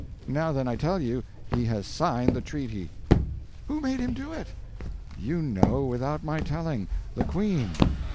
Now, then, I tell you he has signed the treaty." "Who made him do it?" "You know, without my telling. The Queen."